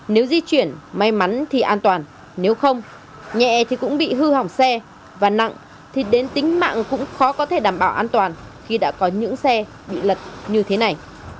nếu di chuyển may mắn thì an toàn nếu không nhẹ thì cũng bị hư hỏng xe và nặng thì đến tính mạng cũng khó có thể đảm bảo an toàn khi đã có những xe bị lật như thế này